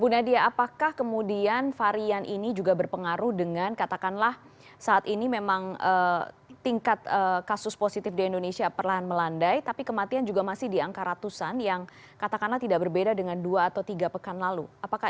bu nadia apakah kemudian varian ini juga berpengaruh dengan katakanlah saat ini memang tingkat kasus positif di indonesia perlahan melandai tapi kematian juga masih di angka ratusan yang katakanlah tidak berbeda dengan dua atau tiga pekan lalu